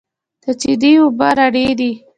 د چينې اوبه رڼې دي.